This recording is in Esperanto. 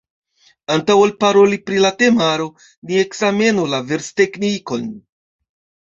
Antaŭ ol paroli pri la temaro, ni ekzamenu la versteknikon.